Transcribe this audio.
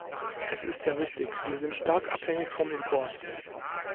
Es ist ja richtig, wir sind stark abhängig vom Import.